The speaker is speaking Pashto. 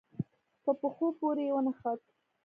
په پښو پورې يې ونښت.